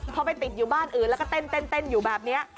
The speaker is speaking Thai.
พอไปติดอยู่บ้านอื่นแล้วก็เต้นอยู่แบบนี้